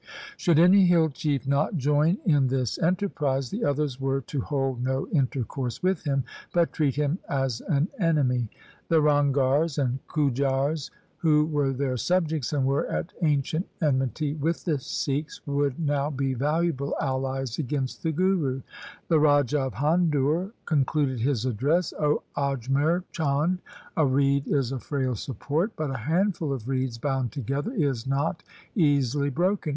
Should any hill chief not join in this enterprise, the others were to hold no intercourse with him, but treat him as an enemy. The Ranghars and Gujars, who were their subjects and were at ancient enmity with the Sikhs, would now be valuable allies against the Guru. The Raja of Handur con cluded his address, ' O Ajmer Chand, a reed is a frail support, but a handful of reeds bound together is not easily broken.